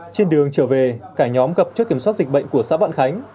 trên đường trở về cả nhóm gặp trước kiểm soát dịch bệnh của xã vạn khánh